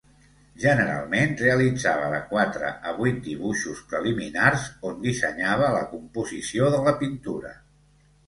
Generalment realitzava de quatre a vuit dibuixos preliminars, on dissenyava la composició de la pintura.